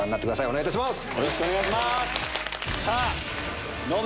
お願いいたします。